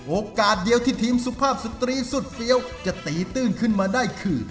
โอกาสเดียวที่ทีมสุภาพสตรีสุดเฟี้ยวจะตีตื้นขึ้นมาได้คือ